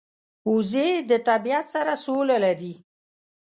وزې د طبیعت سره سوله لري